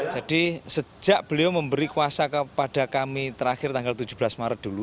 jadi sejak beliau memberi kuasa kepada kami terakhir tanggal tujuh belas maret dulu